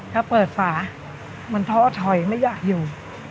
ถ้าเปิดฝามันท้อถอยไม่อยากอยู่